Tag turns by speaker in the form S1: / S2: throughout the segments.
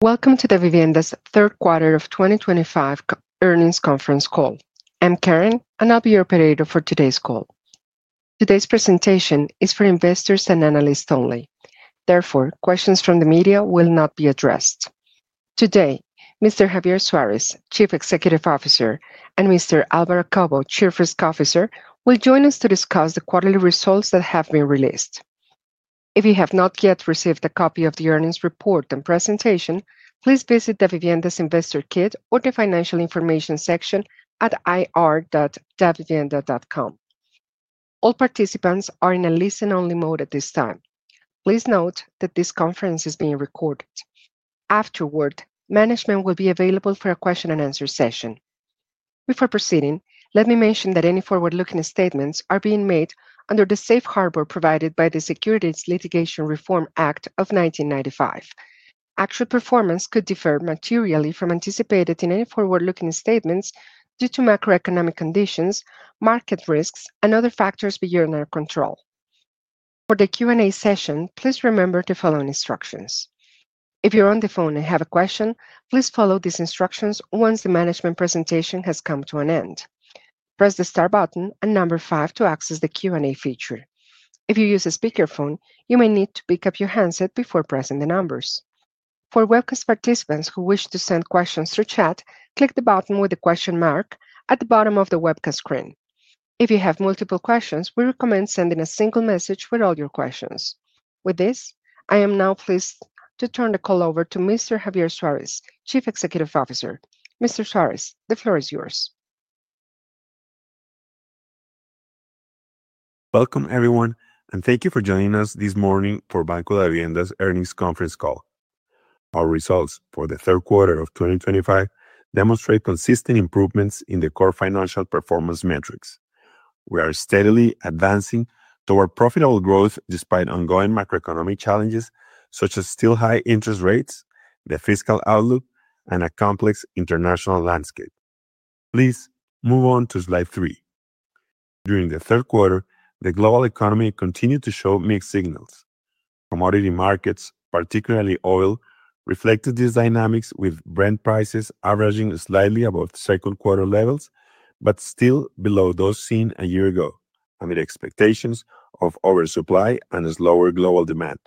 S1: Welcome to the Davivienda's third quarter of 2025 earnings conference call. I'm Karen, and I'll be your operator for today's call. Today's presentation is for investors and analysts only. Therefore, questions from the media will not be addressed. Today, Mr. Javier Suárez, Chief Executive Officer, and Mr. Álvaro Cobo, Chief Risk Officer, will join us to discuss the quarterly results that have been released. If you have not yet received a copy of the earnings report and presentation, please visit the Davivienda's Investor Kit or the Financial Information section at ir.davivienda.com. All participants are in a listen-only mode at this time. Please note that this conference is being recorded. Afterward, management will be available for a question-and-answer session. Before proceeding, let me mention that any forward-looking statements are being made under the safe harbor provided by the Securities Litigation Reform Act of 1995. Actual performance could differ materially from anticipated in any forward-looking statements due to macroeconomic conditions, market risks, and other factors beyond our control. For the Q&A session, please remember the following instructions. If you're on the phone and have a question, please follow these instructions once the management presentation has come to an end. Press the star button and number five to access the Q&A feature. If you use a speakerphone, you may need to pick up your handset before pressing the numbers. For Webcast participants who wish to send questions through chat, click the button with the question mark at the bottom of the Webcast screen. If you have multiple questions, we recommend sending a single message with all your questions. With this, I am now pleased to turn the call over to Mr. Javier Suárez, Chief Executive Officer. Mr. Suárez, the floor is yours.
S2: Welcome, everyone, and thank you for joining us this morning for Banco Davivienda's earnings conference call. Our results for the third quarter of 2025 demonstrate consistent improvements in the core financial performance metrics. We are steadily advancing toward profitable growth despite ongoing macroeconomic challenges such as still high interest rates, the fiscal outlook, and a complex international landscape. Please move on to slide three. During the third quarter, the global economy continued to show mixed signals. Commodity markets, particularly oil, reflected these dynamics with Brent prices averaging slightly above second quarter levels but still below those seen a year ago amid expectations of oversupply and slower global demand.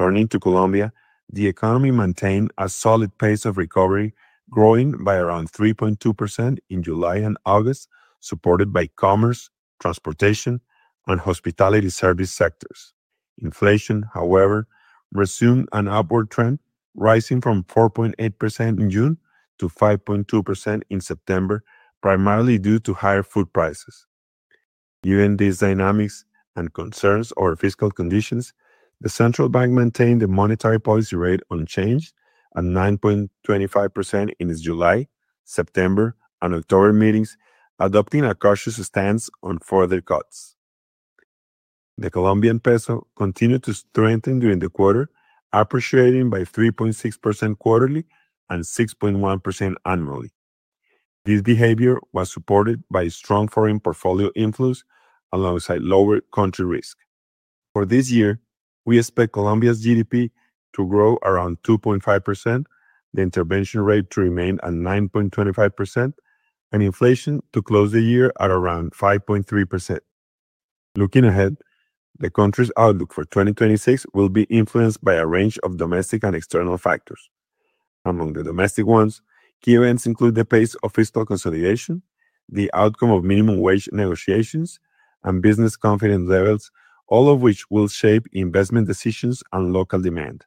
S2: Turning to Colombia, the economy maintained a solid pace of recovery, growing by around 3.2% in July and August, supported by commerce, transportation, and hospitality service sectors. Inflation, however, resumed an upward trend, rising from 4.8% in June to 5.2% in September, primarily due to higher food prices. Given these dynamics and concerns over fiscal conditions, the central bank maintained the monetary policy rate unchanged at 9.25% in its July, September, and October meetings, adopting a cautious stance on further cuts. The Colombian peso continued to strengthen during the quarter, appreciating by 3.6% quarterly and 6.1% annually. This behavior was supported by strong foreign portfolio inflows alongside lower country risk. For this year, we expect Colombia's GDP to grow around 2.5%, the intervention rate to remain at 9.25%, and inflation to close the year at around 5.3%. Looking ahead, the country's outlook for 2026 will be influenced by a range of domestic and external factors. Among the domestic ones, key events include the pace of fiscal consolidation, the outcome of minimum wage negotiations, and business confidence levels, all of which will shape investment decisions and local demand.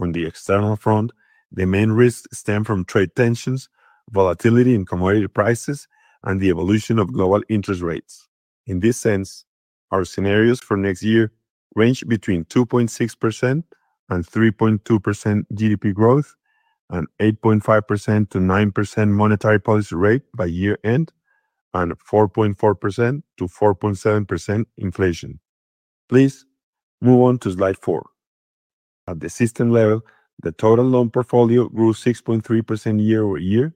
S2: On the external front, the main risks stem from trade tensions, volatility in commodity prices, and the evolution of global interest rates. In this sense, our scenarios for next year range between 2.6%-3.2% GDP growth, an 8.5%-9% monetary policy rate by year-end, and 4.4%-4.7% inflation. Please move on to slide four. At the system level, the total loan portfolio grew 6.3% year-over-year,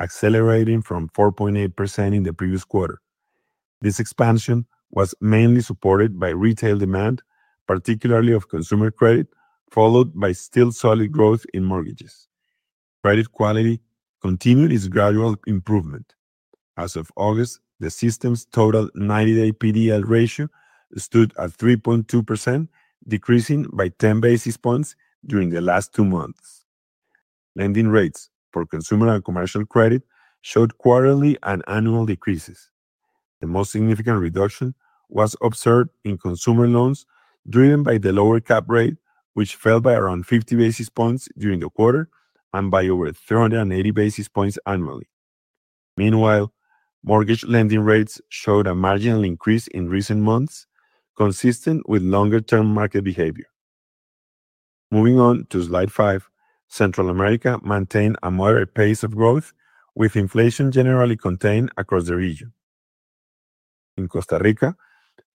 S2: accelerating from 4.8% in the previous quarter. This expansion was mainly supported by retail demand, particularly of consumer credit, followed by still solid growth in mortgages. Credit quality continued its gradual improvement. As of August, the system's total 90-day PDL ratio stood at 3.2%, decreasing by 10 basis points during the last two months. Lending rates for consumer and commercial credit showed quarterly and annual decreases. The most significant reduction was observed in consumer loans driven by the lower cap rate, which fell by around 50 basis points during the quarter and by over 380 basis points annually. Meanwhile, mortgage lending rates showed a marginal increase in recent months, consistent with longer-term market behavior. Moving on to slide five, Central America maintained a moderate pace of growth, with inflation generally contained across the region. In Costa Rica,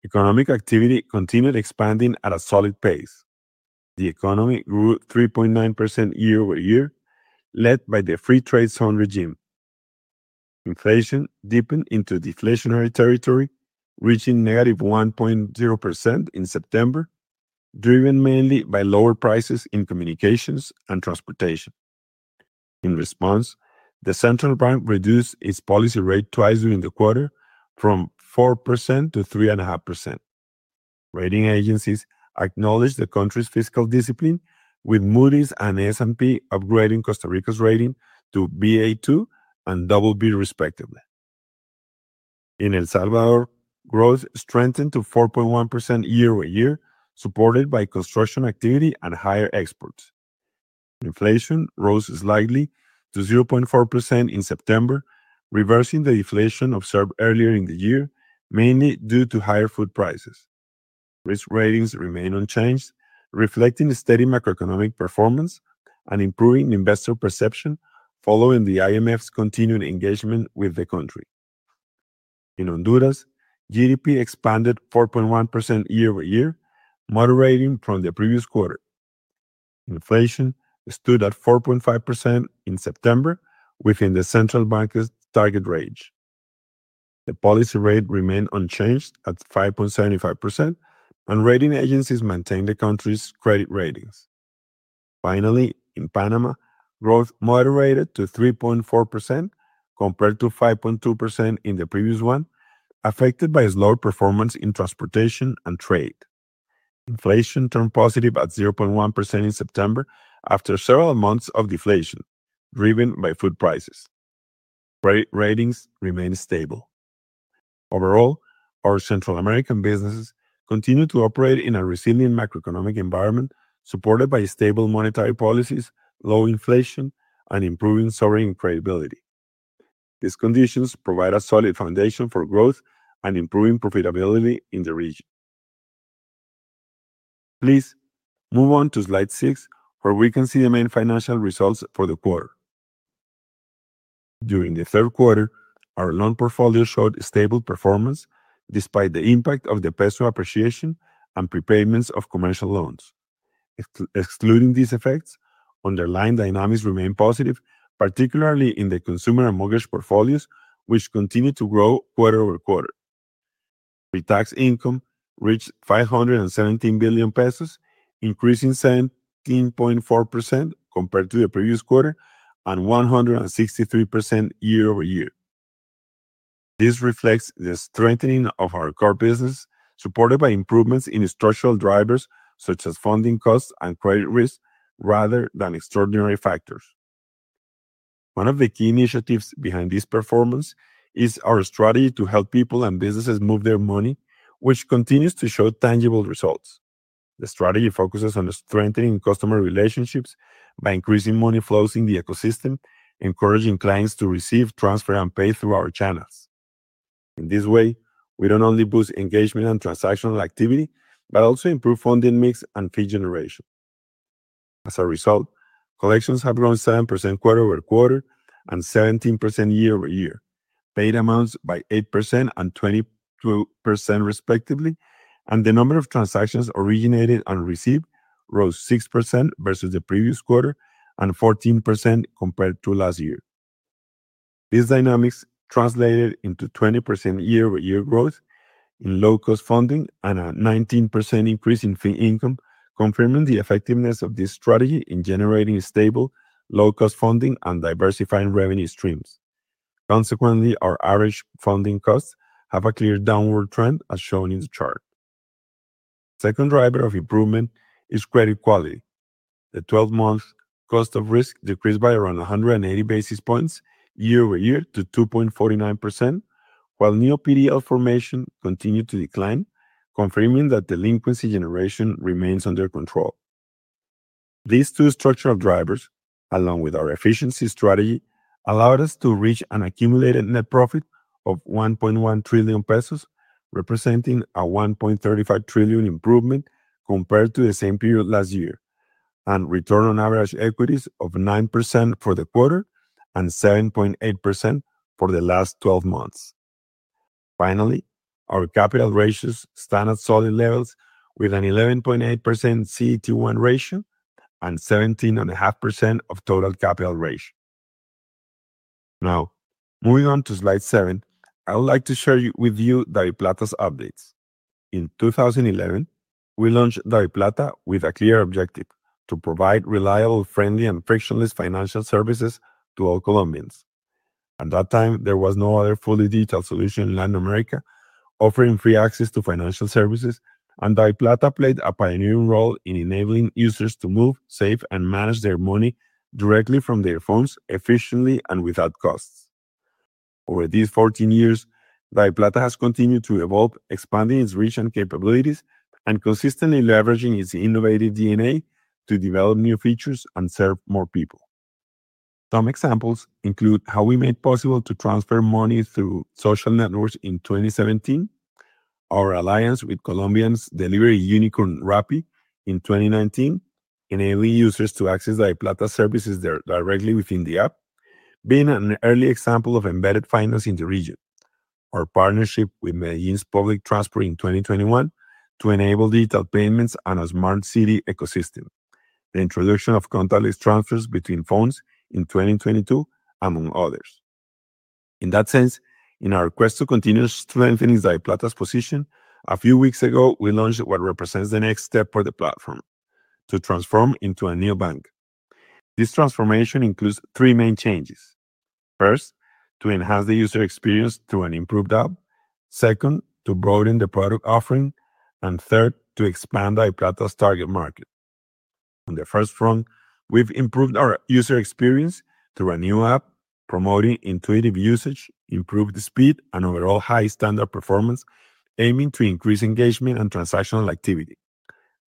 S2: economic activity continued expanding at a solid pace. The economy grew 3.9% year-over-year, led by the free trade zone regime. Inflation deepened into deflationary territory, reaching negative 1.0% in September, driven mainly by lower prices in communications and transportation. In response, the central bank reduced its policy rate twice during the quarter, from 4% to 3.5%. Rating agencies acknowledged the country's fiscal discipline, with Moody's and S&P upgrading Costa Rica's rating to BA2 and BB, respectively. In El Salvador, growth strengthened to 4.1% year-over-year, supported by construction activity and higher exports. Inflation rose slightly to 0.4% in September, reversing the deflation observed earlier in the year, mainly due to higher food prices. Risk ratings remained unchanged, reflecting steady macroeconomic performance and improving investor perception following the IMF's continued engagement with the country. In Honduras, GDP expanded 4.1% year-over-year, moderating from the previous quarter. Inflation stood at 4.5% in September, within the central bank's target range. The policy rate remained unchanged at 5.75%, and rating agencies maintained the country's credit ratings. Finally, in Panama, growth moderated to 3.4% compared to 5.2% in the previous one, affected by slow performance in transportation and trade. Inflation turned positive at 0.1% in September after several months of deflation, driven by food prices. Credit ratings remained stable. Overall, our Central American businesses continue to operate in a resilient macroeconomic environment, supported by stable monetary policies, low inflation, and improving sovereign credibility. These conditions provide a solid foundation for growth and improving profitability in the region. Please move on to slide six, where we can see the main financial results for the quarter. During the third quarter, our loan portfolio showed stable performance despite the impact of the peso appreciation and prepayments of commercial loans. Excluding these effects, underlying dynamics remain positive, particularly in the consumer and mortgage portfolios, which continue to grow quarter over quarter. Pretax income reached COP 517 billion, increasing 17.4% compared to the previous quarter and 163% year-over-year. This reflects the strengthening of our core business, supported by improvements in structural drivers such as funding costs and credit risk rather than extraordinary factors. One of the key initiatives behind this performance is our strategy to help people and businesses move their money, which continues to show tangible results. The strategy focuses on strengthening customer relationships by increasing money flows in the ecosystem, encouraging clients to receive, transfer, and pay through our channels. In this way, we do not only boost engagement and transactional activity but also improve funding mix and fee generation. As a result, collections have grown 7% quarter-over-quarter and 17% year-over-year, paid amounts by 8% and 22%, respectively, and the number of transactions originated and received rose 6% versus the previous quarter and 14% compared to last year. These dynamics translated into 20% year-over-year growth in low-cost funding and a 19% increase in fee income, confirming the effectiveness of this strategy in generating stable, low-cost funding and diversifying revenue streams. Consequently, our average funding costs have a clear downward trend, as shown in the chart. The second driver of improvement is credit quality. The 12-month cost of risk decreased by around 180 basis points year-over-year to 2.49%, while new PDL formation continued to decline, confirming that delinquency generation remains under control. These two structural drivers, along with our efficiency strategy, allowed us to reach an accumulated net profit of COP 1.1 trillion, representing a COP 1.35 trillion improvement compared to the same period last year, and return on average equities of 9% for the quarter and 7.8% for the last 12 months. Finally, our capital ratios stand at solid levels with an 11.8% CET1 ratio and 17.5% of total capital ratio. Now, moving on to slide seven, I would like to share with you DaviPlata's updates. In 2011, we launched DaviPlata with a clear objective to provide reliable, friendly, and frictionless financial services to all Colombians. At that time, there was no other fully digital solution in Latin America offering free access to financial services, and DaviPlata played a pioneering role in enabling users to move, save, and manage their money directly from their phones efficiently and without costs. Over these 14 years, DaviPlata has continued to evolve, expanding its reach and capabilities, and consistently leveraging its innovative DNA to develop new features and serve more people. Some examples include how we made possible to transfer money through social networks in 2017, our alliance with Colombian delivery unicorn Rappi in 2019, enabling users to access DaviPlata services directly within the app, being an early example of embedded finance in the region, our partnership with Medellín's public transport in 2021 to enable digital payments and a smart city ecosystem, the introduction of contactless transfers between phones in 2022, among others. In that sense, in our quest to continue strengthening DaviPlata's position, a few weeks ago, we launched what represents the next step for the platform: to transform into a new bank. This transformation includes three main changes. First, to enhance the user experience through an improved app. Second, to broaden the product offering. And third, to expand DaviPlata's target market. On the first front, we've improved our user experience through a new app, promoting intuitive usage, improved speed, and overall high-standard performance, aiming to increase engagement and transactional activity.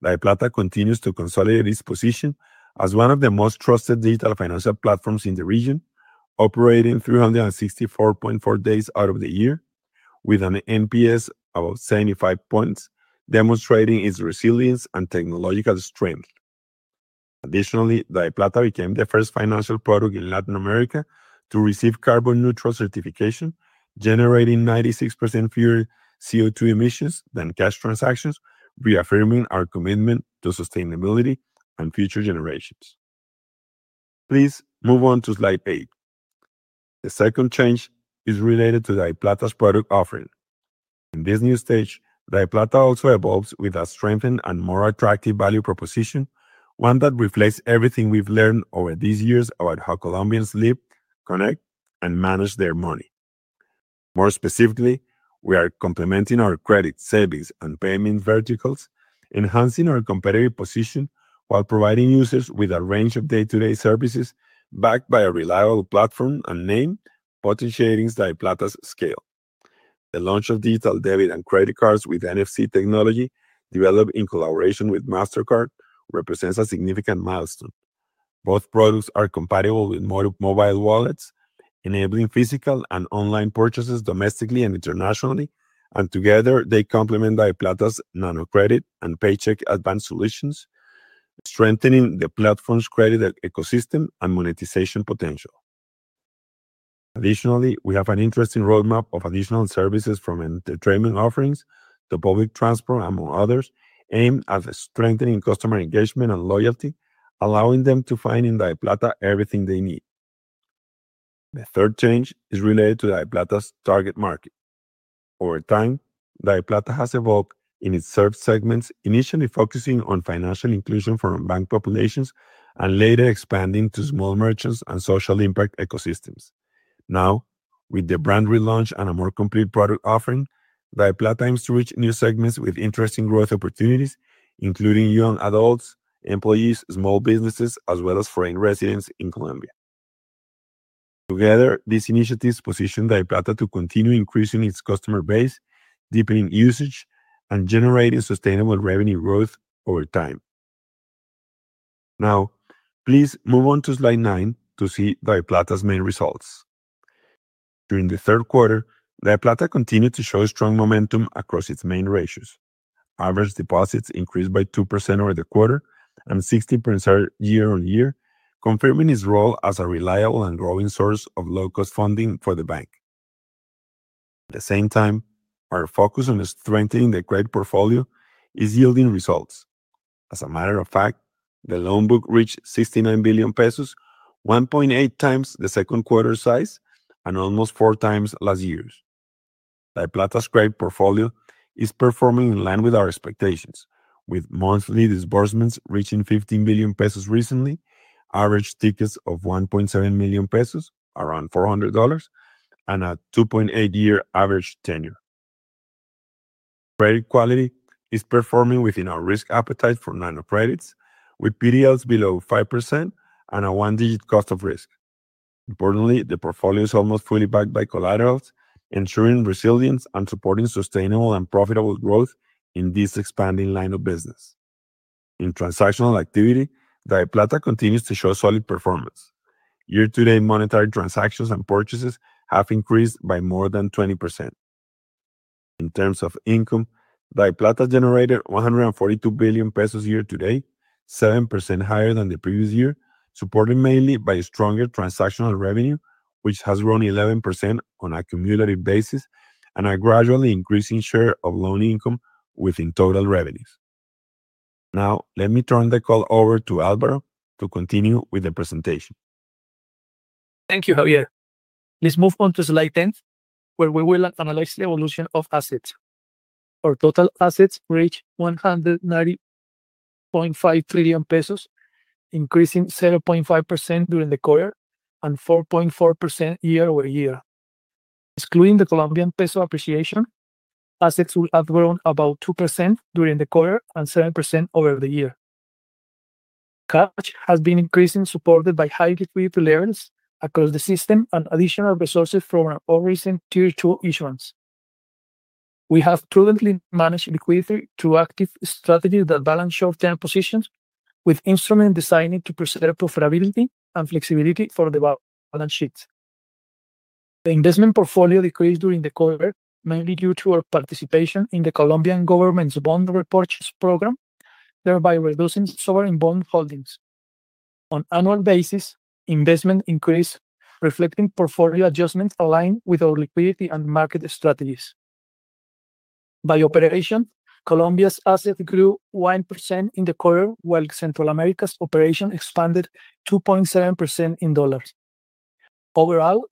S2: DaviPlata continues to consolidate its position as one of the most trusted digital financial platforms in the region, operating 364.4 days out of the year with an NPS of 75 points, demonstrating its resilience and technological strength. Additionally, DaviPlata became the first financial product in Latin America to receive carbon neutral certification, generating 96% fewer CO2 emissions than cash transactions, reaffirming our commitment to sustainability and future generations. Please move on to slide eight. The second change is related to DaviPlata's product offering. In this new stage, DaviPlata also evolves with a strengthened and more attractive value proposition, one that reflects everything we've learned over these years about how Colombians live, connect, and manage their money. More specifically, we are complementing our credit, savings, and payment verticals, enhancing our competitive position while providing users with a range of day-to-day services backed by a reliable platform and name, potentiating DaviPlata's scale. The launch of digital debit and credit cards with NFC technology developed in collaboration with Mastercard represents a significant milestone. Both products are compatible with mobile wallets, enabling physical and online purchases domestically and internationally, and together, they complement DaviPlata's nano credit and paycheck advance solutions, strengthening the platform's credit ecosystem and monetization potential. Additionally, we have an interesting roadmap of additional services from entertainment offerings to public transport, among others, aimed at strengthening customer engagement and loyalty, allowing them to find in DaviPlata everything they need. The third change is related to DaviPlata's target market. Over time, DaviPlata has evolved in its service segments, initially focusing on financial inclusion for bank populations and later expanding to small merchants and social impact ecosystems. Now, with the brand relaunch and a more complete product offering, DaviPlata aims to reach new segments with interesting growth opportunities, including young adults, employees, small businesses, as well as foreign residents in Colombia. Together, these initiatives position DaviPlata to continue increasing its customer base, deepening usage, and generating sustainable revenue growth over time. Now, please move on to slide nine to see DaviPlata's main results. During the third quarter, DaviPlata continued to show strong momentum across its main ratios. Average deposits increased by 2% over the quarter and 16% year-over-year, confirming its role as a reliable and growing source of low-cost funding for the bank. At the same time, our focus on strengthening the credit portfolio is yielding results. As a matter of fact, the loan book reached COP 69 billion, 1.8 times the second quarter size and almost four times last year's. DaviPlata's credit portfolio is performing in line with our expectations, with monthly disbursements reaching COP 15 billion recently, average tickets of COP 1.7 million, around $400, and a 2.8-year average tenure. Credit quality is performing within our risk appetite for nano credits, with PDLs below 5% and a one-digit cost of risk. Importantly, the portfolio is almost fully backed by collaterals, ensuring resilience and supporting sustainable and profitable growth in this expanding line of business. In transactional activity, DaviPlata continues to show solid performance. Year-to-date monetary transactions and purchases have increased by more than 20%. In terms of income, DaviPlata generated COP 142 billion year-to-date, 7% higher than the previous year, supported mainly by stronger transactional revenue, which has grown 11% on a cumulative basis and a gradually increasing share of loan income within total revenues. Now, let me turn the call over to Álvaro to continue with the presentation.
S3: Thank you, Javier. Please move on to slide 10, where we will analyze the evolution of assets. Our total assets reached COP 190.5 trillion, increasing 7.5% during the quarter and 4.4% year-over-year. Excluding the Colombian peso appreciation, assets have grown about 2% during the quarter and 7% over the year. Cash has been increasing, supported by high liquidity levels across the system and additional resources from our recent tier two issuance. We have prudently managed liquidity through active strategies that balance short-term positions, with instruments designed to preserve profitability and flexibility for the balance sheet. The investment portfolio decreased during the quarter, mainly due to our participation in the Colombian government's bond repurchase program, thereby reducing sovereign bond holdings. On an annual basis, investment increased, reflecting portfolio adjustments aligned with our liquidity and market strategies. By operation, Colombia's assets grew 1% in the quarter, while Central America's operations expanded 2.7% in dollars. Overall,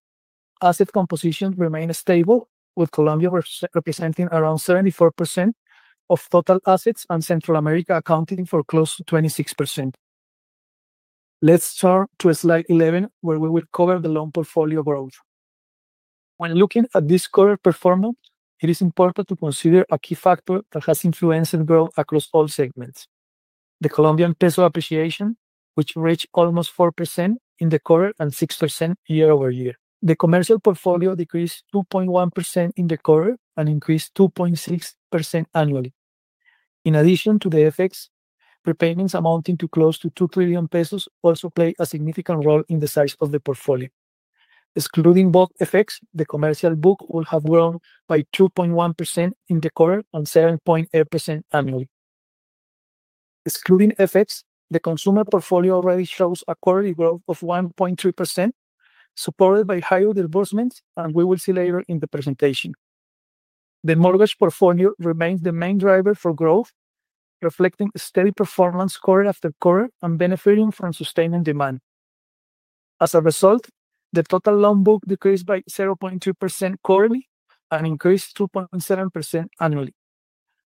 S3: asset composition remained stable, with Colombia representing around 74% of total assets and Central America accounting for close to 26%. Let's turn to slide 11, where we will cover the loan portfolio growth. When looking at this quarter performance, it is important to consider a key factor that has influenced growth across all segments: the Colombian peso appreciation, which reached almost 4% in the quarter and 6% year-over-year. The commercial portfolio decreased 2.1% in the quarter and increased 2.6% annually. In addition to the FX, prepayments amounting to close to COP 2 trillion also played a significant role in the size of the portfolio. Excluding both FX, the commercial book would have grown by 2.1% in the quarter and 7.8% annually. Excluding FX, the consumer portfolio already shows a quarterly growth of 1.3%, supported by higher disbursements and we will see later in the presentation. The mortgage portfolio remains the main driver for growth, reflecting steady performance quarter after quarter and benefiting from sustained demand. As a result, the total loan book decreased by 0.2% quarterly and increased 2.7% annually.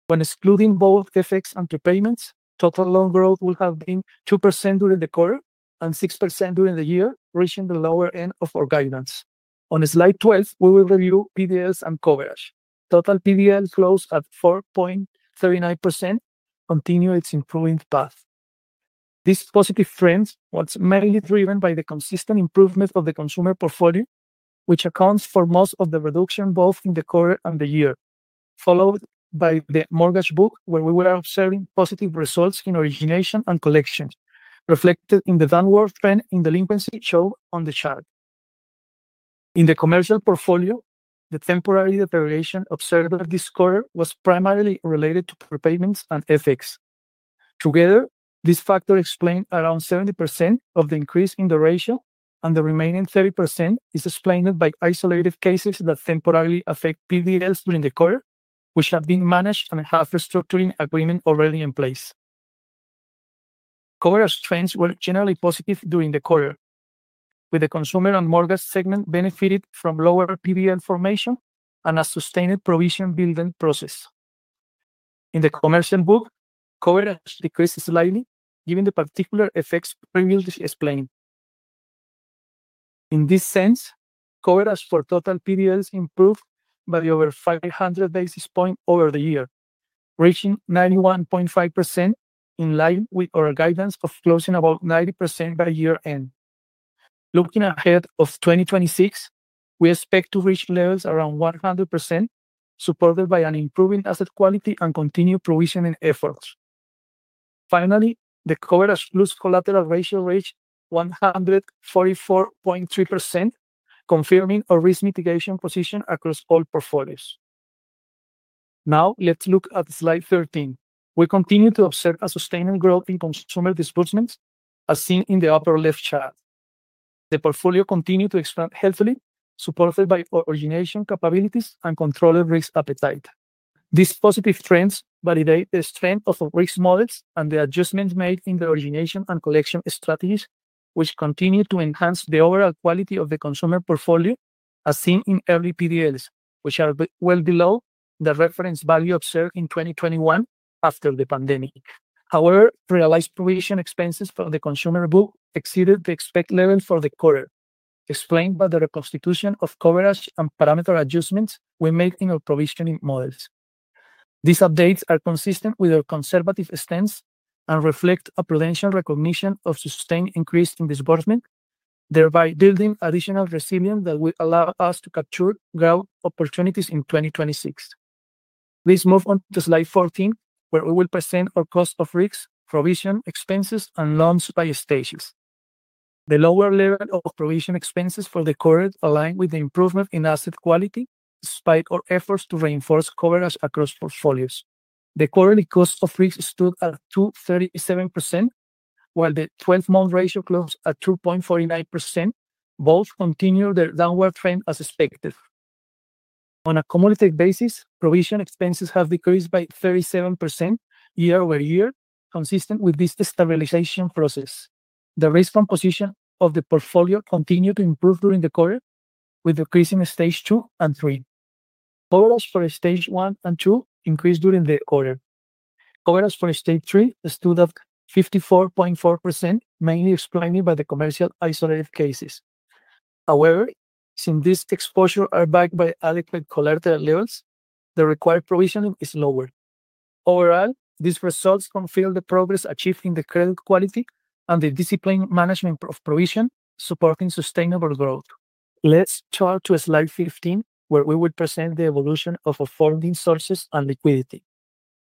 S3: When excluding both FX and prepayments, total loan growth would have been 2% during the quarter and 6% during the year, reaching the lower end of our guidance. On slide 12, we will review PDLs and coverage. Total PDLs closed at 4.39%, continuing its improving path. This positive trend was mainly driven by the consistent improvement of the consumer portfolio, which accounts for most of the reduction both in the quarter and the year, followed by the mortgage book, where we were observing positive results in origination and collections, reflected in the downward trend in delinquency shown on the chart. In the commercial portfolio, the temporary deterioration observed this quarter was primarily related to prepayments and FX. Together, this factor explained around 70% of the increase in the ratio, and the remaining 30% is explained by isolated cases that temporarily affect PDLs during the quarter, which have been managed and have restructuring agreements already in place. The coverage trends were generally positive during the quarter, with the consumer and mortgage segment benefiting from lower PDL formation and a sustained provision-building process. In the commercial book, coverage decreased slightly, given the particular effects previously explained. In this sense, coverage for total PDLs improved by over 500 basis points over the year, reaching 91.5% in line with our guidance of closing about 90% by year-end. Looking ahead to 2026, we expect to reach levels around 100%, supported by an improving asset quality and continued provisioning efforts. Finally, the coverage-plus collateral ratio reached 144.3%, confirming our risk mitigation position across all portfolios. Now, let's look at slide 13. We continue to observe a sustained growth in consumer disbursements, as seen in the upper-left chart. The portfolio continued to expand healthily, supported by origination capabilities and controlled risk appetite. These positive trends validate the strength of our risk models and the adjustments made in the origination and collection strategies, which continue to enhance the overall quality of the consumer portfolio, as seen in early PDLs, which are well below the reference value observed in 2021 after the pandemic. However, realized provision expenses for the consumer book exceeded the expected level for the quarter, explained by the reconstitution of coverage and parameter adjustments we made in our provisioning models. These updates are consistent with our conservative stance and reflect a prudential recognition of sustained increase in disbursement, thereby building additional resilience that will allow us to capture growth opportunities in 2026. Please move on to slide 14, where we will present our cost of risk, provision expenses, and loans by stages. The lower level of provision expenses for the quarter aligned with the improvement in asset quality, despite our efforts to reinforce coverage across portfolios. The quarterly cost of risk stood at 2.37%, while the 12-month ratio closed at 2.49%. Both continued their downward trend as expected. On a cumulative basis, provision expenses have decreased by 37% year-over-year, consistent with this stabilization process. The risk composition of the portfolio continued to improve during the quarter, with decreasing stage two and three. Coverage for stage one and two increased during the quarter. Coverage for stage three stood at 54.4%, mainly explained by the commercial isolated cases. However, since these exposures are backed by adequate collateral levels, the required provisioning is lower. Overall, these results confirm the progress achieved in the credit quality and the disciplined management of provision, supporting sustainable growth. Let's turn to slide 15, where we will present the evolution of our funding sources and liquidity.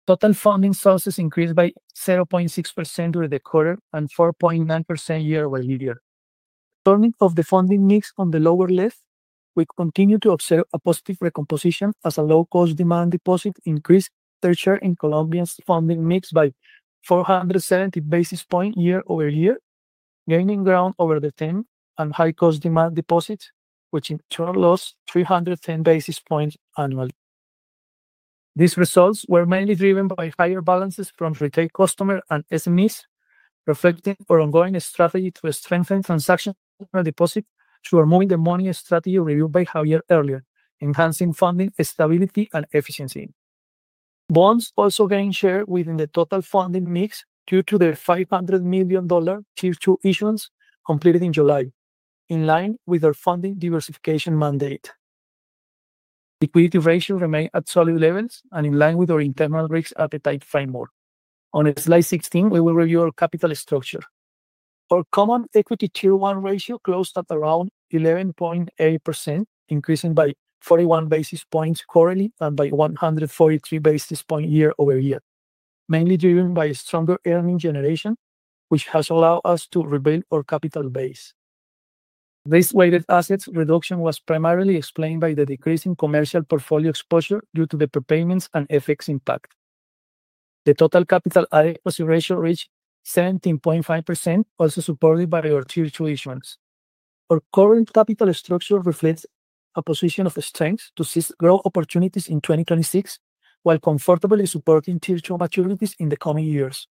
S3: Total funding sources increased by 0.6% during the quarter and 4.9% year-over-year. Turning to the funding mix on the lower left, we continue to observe a positive recomposition as a low-cost demand deposit increased its share in Colombia's funding mix by 470 basis points year-over-year, gaining ground over the time and high-cost demand deposits, which in turn lost 310 basis points annually. These results were mainly driven by higher balances from retail customers and SMEs, reflecting our ongoing strategy to strengthen transactional deposits through a moving the money strategy reviewed by Javier earlier, enhancing funding stability and efficiency. Bonds also gained share within the total funding mix due to their $500 million tier two issuance completed in July, in line with our funding diversification mandate. Liquidity ratio remained at solid levels and in line with our internal risk appetite framework. On slide 16, we will review our capital structure. Our common equity tier one ratio closed at around 11.8%, increasing by 41 basis points quarterly and by 143 basis points year-over-year, mainly driven by a stronger earnings generation, which has allowed us to rebuild our capital base. This weighted assets reduction was primarily explained by the decrease in commercial portfolio exposure due to the prepayments and FX impact. The total capital asset ratio reached 17.5%, also supported by our tier two issuance. Our current capital structure reflects a position of strength to seize growth opportunities in 2026, while comfortably supporting tier two maturities in the coming years.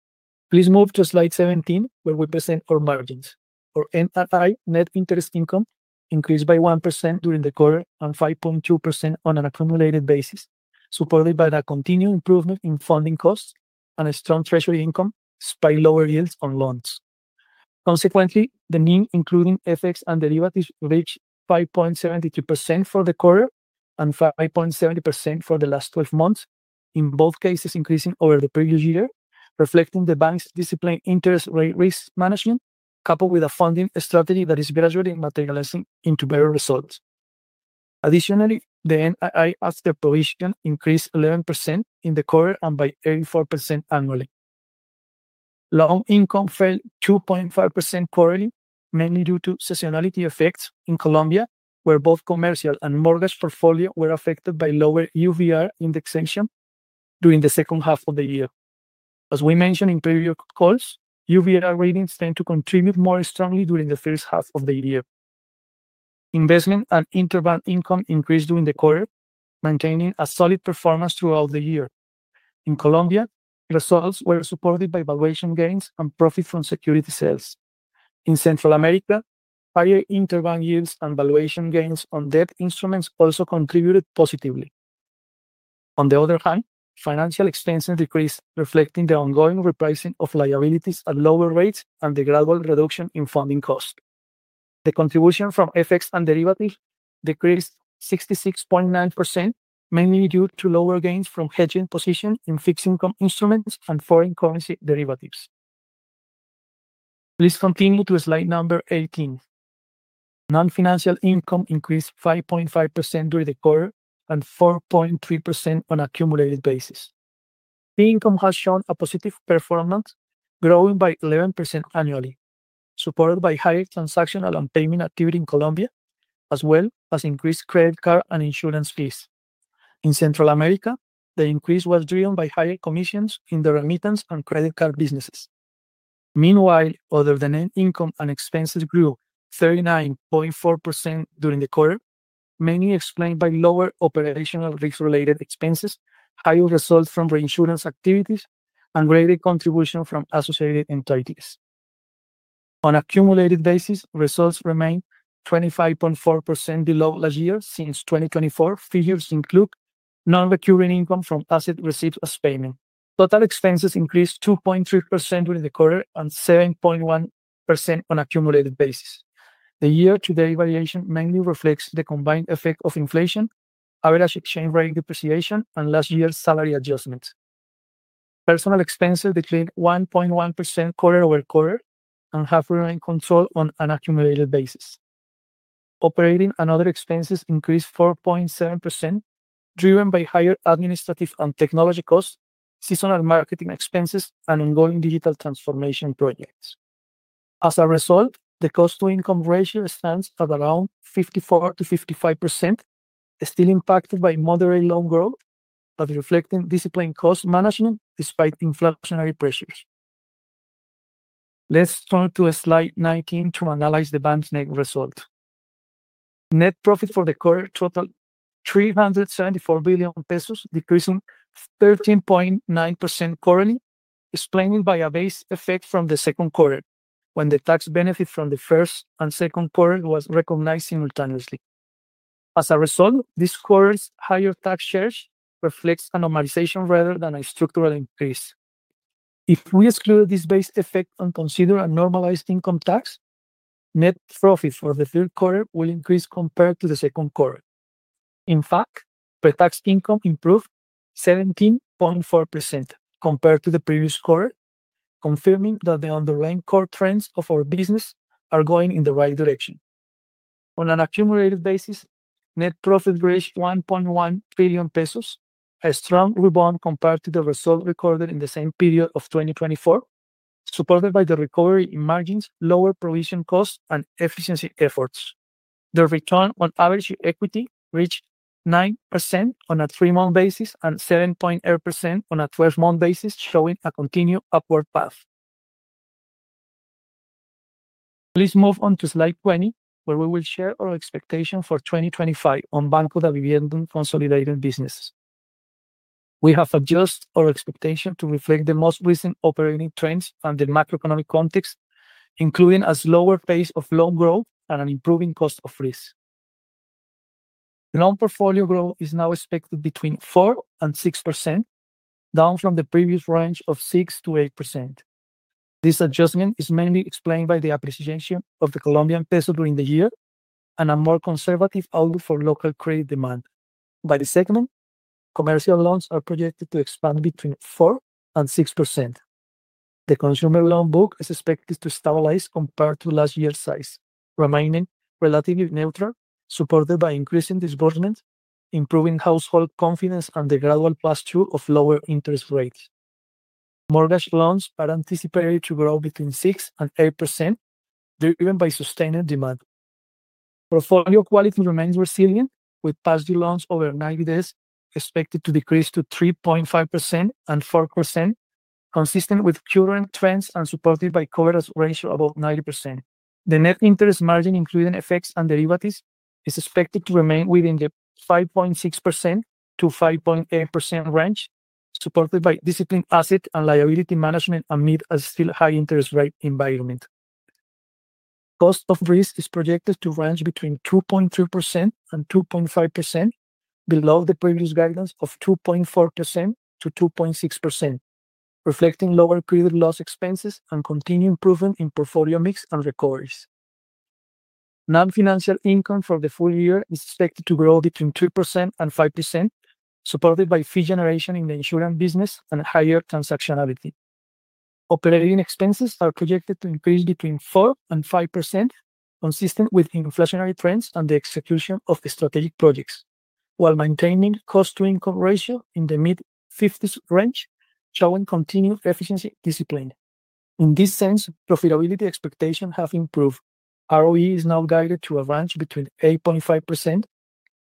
S3: Please move to slide 17, where we present our margins. Our NII net interest income increased by 1% during the quarter and 5.2% on an accumulated basis, supported by a continued improvement in funding costs and a strong treasury income despite lower yields on loans. Consequently, the NIM, including FX and derivatives, reached 5.72% for the quarter and 5.70% for the last 12 months, in both cases increasing over the previous year, reflecting the bank's disciplined interest rate risk management, coupled with a funding strategy that is gradually materializing into better results. Additionally, the NRI after provision increased 11% in the quarter and by 84% annually. Loan income fell 2.5% quarterly, mainly due to seasonality effects in Colombia, where both commercial and mortgage portfolio were affected by lower UVR indexation during the second half of the year. As we mentioned in previous calls, UVR indexation tends to contribute more strongly during the first half of the year. Investment and interbank income increased during the quarter, maintaining a solid performance throughout the year. In Colombia, results were supported by valuation gains and profit from security sales. In Central America, higher interbank yields and valuation gains on debt instruments also contributed positively. On the other hand, financial expenses decreased, reflecting the ongoing repricing of liabilities at lower rates and the gradual reduction in funding costs. The contribution from FX and derivatives decreased 66.9%, mainly due to lower gains from hedging position in fixed income instruments and foreign currency derivatives. Please continue to slide number 18. Non-financial income increased 5.5% during the quarter and 4.3% on an accumulated basis. Key income has shown a positive performance, growing by 11% annually, supported by higher transactional and payment activity in Colombia, as well as increased credit card and insurance fees. In Central America, the increase was driven by higher commissions in the remittance and credit card businesses. Meanwhile, other than net income and expenses grew 39.4% during the quarter, mainly explained by lower operational risk-related expenses, higher results from reinsurance activities, and greater contribution from associated entities. On an accumulated basis, results remained 25.4% below last year since 2024. Figures include non-recurring income from asset receipts as payment. Total expenses increased 2.3% during the quarter and 7.1% on an accumulated basis. The year-to-date variation mainly reflects the combined effect of inflation, average exchange rate depreciation, and last year's salary adjustments. Personal expenses declined 1.1% quarter over quarter and have remained controlled on an accumulated basis. Operating and other expenses increased 4.7%, driven by higher administrative and technology costs, seasonal marketing expenses, and ongoing digital transformation projects. As a result, the cost-to-income ratio stands at around 54%-55%, still impacted by moderate loan growth, but reflecting disciplined cost management despite inflationary pressures. Let's turn to slide 19 to analyze the bank's net result. Net profit for the quarter totaled COP 374 billion, decreasing 13.9% quarterly, explained by a base effect from the second quarter, when the tax benefit from the first and second quarter was recognized simultaneously. As a result, this quarter's higher tax shares reflect a normalization rather than a structural increase. If we exclude this base effect and consider a normalized income tax, net profit for the third quarter will increase compared to the second quarter. In fact, pre-tax income improved 17.4% compared to the previous quarter, confirming that the underlying core trends of our business are going in the right direction. On an accumulated basis, net profit reached COP 1.1 billion, a strong rebound compared to the result recorded in the same period of 2024, supported by the recovery in margins, lower provision costs, and efficiency efforts. The return on average equity reached 9% on a three-month basis and 7.8% on a 12-month basis, showing a continued upward path. Please move on to slide 20, where we will share our expectations for 2025 on Banco Davivienda consolidated businesses. We have adjusted our expectations to reflect the most recent operating trends and the macroeconomic context, including a slower pace of loan growth and an improving cost of risk. Loan portfolio growth is now expected between 4% and 6%, down from the previous range of 6% to 8%. This adjustment is mainly explained by the appreciation of the Colombian peso during the year and a more conservative outlook for local credit demand. By the segment, commercial loans are projected to expand between 4% and 6%. The consumer loan book is expected to stabilize compared to last year's size, remaining relatively neutral, supported by increasing disbursements, improving household confidence, and the gradual posture of lower interest rates. Mortgage loans are anticipated to grow between 6% and 8%, driven by sustained demand. Portfolio quality remains resilient, with past due loans over 90 days expected to decrease to 3.5% and 4%, consistent with current trends and supported by coverage ratio above 90%. The net interest margin, including FX and derivatives, is expected to remain within the 5.6%-5.8% range, supported by disciplined asset and liability management amid a still high interest rate environment. Cost of risk is projected to range between 2.3% and 2.5%, below the previous guidance of 2.4%-2.6%, reflecting lower credit loss expenses and continued improvement in portfolio mix and recoveries. Non-financial income for the full year is expected to grow between 3% and 5%, supported by fee generation in the insurance business and higher transactionality. Operating expenses are projected to increase between 4% and 5%, consistent with inflationary trends and the execution of the strategic projects, while maintaining cost-to-income ratio in the mid-50% range, showing continued efficiency discipline. In this sense, profitability expectations have improved. ROE is now guided to a range between 8.5%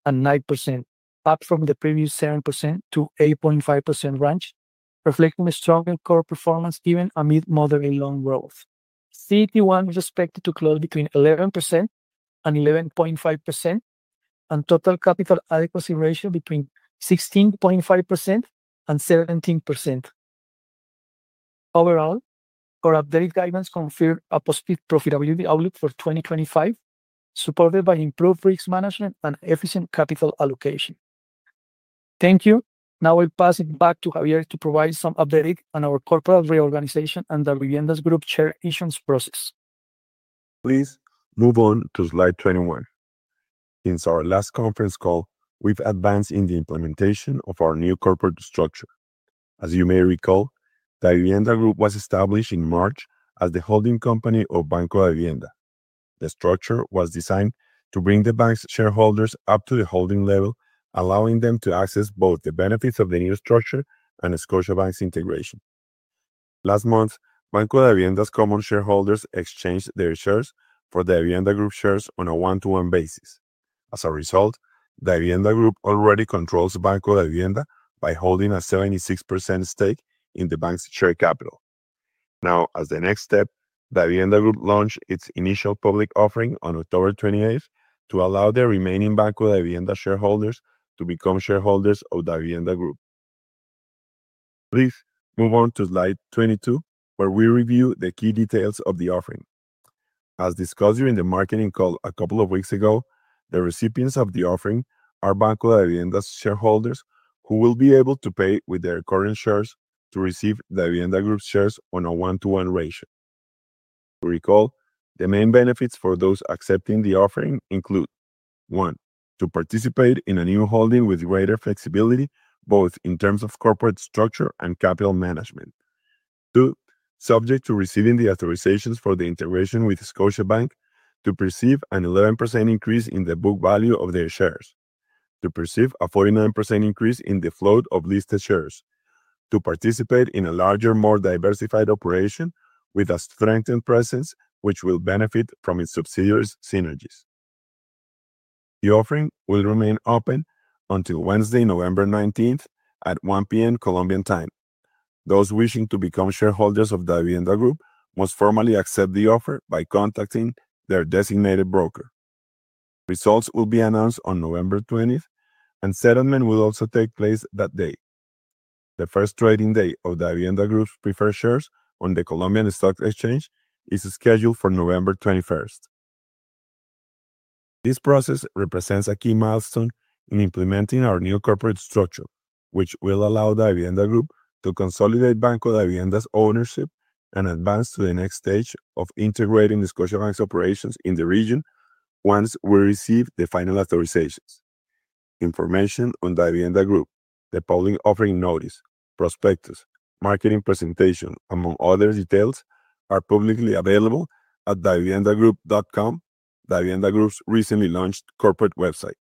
S3: and 9%, up from the previous 7%-8.5% range, reflecting a stronger core performance even amid moderate loan growth. CET1 is expected to close between 11% and 11.5%, and total capital adequacy ratio between 16.5% and 17%. Overall, our updated guidance confirms a positive profitability outlook for 2025, supported by improved risk management and efficient capital allocation. Thank you. Now I'll pass it back to Javier to provide some updates on our corporate reorganization and Davivienda Group share issuance process.
S2: Please move on to slide 21. Since our last conference call, we've advanced in the implementation of our new corporate structure. As you may recall, Davivienda Group was established in March as the holding company of Banco Davivienda. The structure was designed to bring the bank's shareholders up to the holding level, allowing them to access both the benefits of the new structure and Scotiabank's integration. Last month, Banco Davivienda's common shareholders exchanged their shares for Davivienda Group shares on a one-to-one basis. As a result, Davivienda Group already controls Banco Davivienda by holding a 76% stake in the bank's share capital. Now, as the next step, Davivienda Group launched its initial public offering on October 28 to allow the remaining Banco Davivienda shareholders to become shareholders of Davivienda Group. Please move on to slide 22, where we review the key details of the offering. As discussed during the marketing call a couple of weeks ago, the recipients of the offering are Banco Davivienda's shareholders who will be able to pay with their current shares to receive Davivienda Group shares on a one-to-one ratio. To recall, the main benefits for those accepting the offering include: one, to participate in a new holding with greater flexibility, both in terms of corporate structure and capital management; two, subject to receiving the authorizations for the integration with Scotiabank, to perceive an 11% increase in the book value of their shares; three, to perceive a 49% increase in the float of listed shares; four, to participate in a larger, more diversified operation with a strengthened presence, which will benefit from its subsidiaries' synergies. The offering will remain open until Wednesday, November 19, at 1:00 P.M. Colombian time. Those wishing to become shareholders of Davivienda Group must formally accept the offer by contacting their designated broker. Results will be announced on November 20, and settlement will also take place that day. The first trading day of Davivienda Group's preferred shares on the Colombian stock exchange is scheduled for November 21. This process represents a key milestone in implementing our new corporate structure, which will allow Davivienda Group to consolidate Banco Davivienda's ownership and advance to the next stage of integrating Scotiabank's operations in the region once we receive the final authorizations. Information on Davivienda Group, the public offering notice, prospectus, marketing presentation, among other details, are publicly available at daviviendagroup.com, Davivienda Group's recently launched corporate website.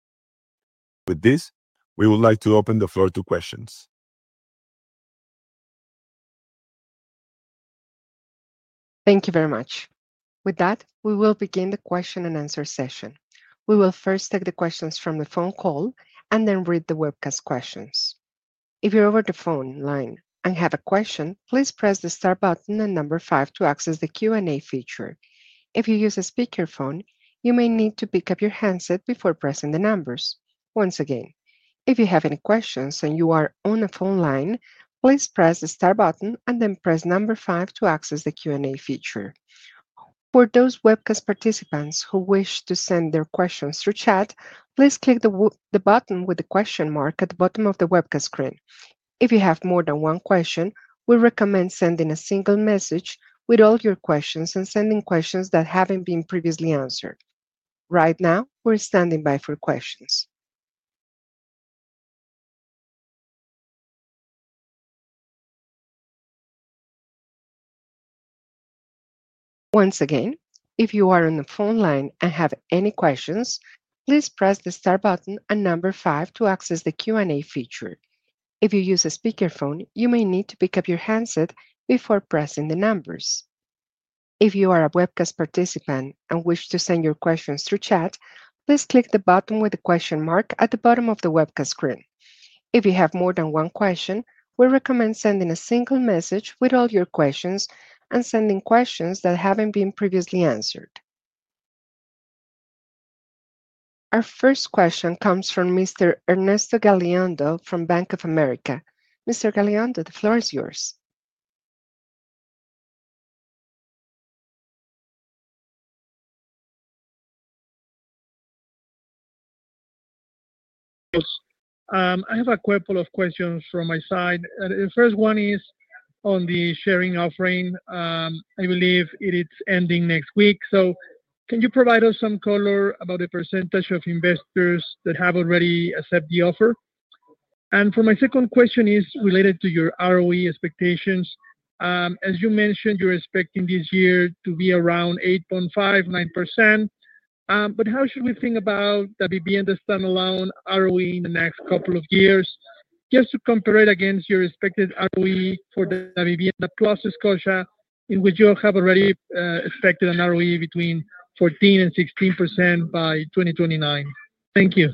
S2: With this, we would like to open the floor to questions.
S1: Thank you very much. With that, we will begin the question and answer session. We will first take the questions from the phone call and then read the webcast questions. If you're over the phone line and have a question, please press the star button and number five to access the Q&A feature. If you use a speakerphone, you may need to pick up your handset before pressing the numbers. Once again, if you have any questions and you are on a phone line, please press the star button and then press number five to access the Q&A feature. For those webcast participants who wish to send their questions through chat, please click the button with the question mark at the bottom of the webcast screen. If you have more than one question, we recommend sending a single message with all your questions and sending questions that have not been previously answered. Right now, we are standing by for questions. Once again, if you are on a phone line and have any questions, please press the star button and number five to access the Q&A feature. If you use a speakerphone, you may need to pick up your handset before pressing the numbers. If you are a webcast participant and wish to send your questions through chat, please click the button with the question mark at the bottom of the webcast screen. If you have more than one question, we recommend sending a single message with all your questions and sending questions that have not been previously answered. Our first question comes from Mr. Ernesto Gabilondo from Bank of America. Mr. Galeando, the floor is yours.
S4: Yes. I have a couple of questions from my side. The first one is on the share offering. I believe it is ending next week. Can you provide us some color about the percentage of investors that have already accepted the offer? For my second question, it is related to your ROE expectations. As you mentioned, you are expecting this year to be around 8.5%-9%. How should we think about Davivienda's standalone ROE in the next couple of years? Just to compare it against your expected ROE for Davivienda plus Scotia, in which you have already expected an ROE between 14% and 16% by 2029. Thank you.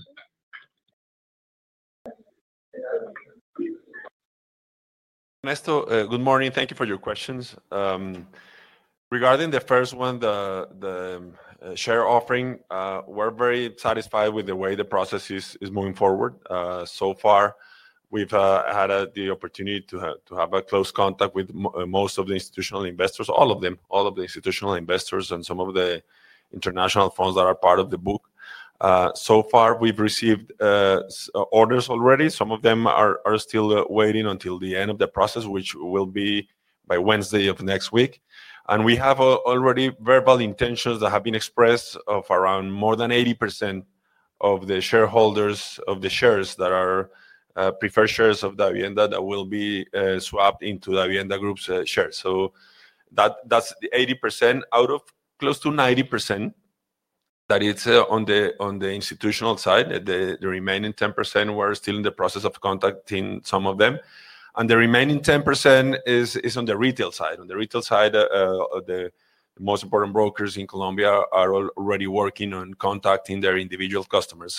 S2: Ernesto, good morning. Thank you for your questions. Regarding the first one, the share offering, we're very satisfied with the way the process is moving forward. So far, we've had the opportunity to have close contact with most of the institutional investors, all of them, all of the institutional investors and some of the international funds that are part of the book. So far, we've received orders already. Some of them are still waiting until the end of the process, which will be by Wednesday of next week. We have already verbal intentions that have been expressed of around more than 80% of the shareholders of the shares that are preferred shares of Davivienda that will be swapped into Davivienda Group's shares. That is 80% out of close to 90% that is on the institutional side. The remaining 10%, we are still in the process of contacting some of them. The remaining 10% is on the retail side. On the retail side, the most important brokers in Colombia are already working on contacting their individual customers.